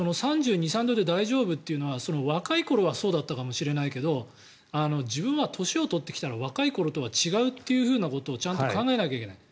３２３３度で大丈夫っていうのは若い頃はそうだったかもしれないけど自分は年を取ってきたら若い頃とは違うということをちゃんと考えないといけない。